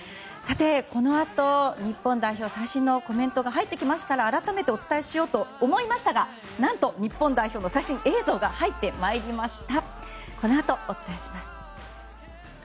このあと日本代表最新のコメントが入ってきましたら改めてお伝えしようと思いましたが何と、日本代表の最新映像が入ってまいりました。